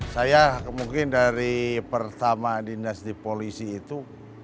saya mungkin dari pertama dinas di polisi itu